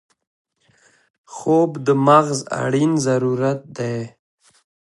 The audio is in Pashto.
خوب د مغز اړین ضرورت دی